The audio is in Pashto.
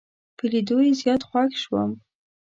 په لیدو یې زیات خوښ شوم.